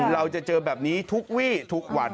เราจะเจอแบบนี้ทุกวี่ทุกวัน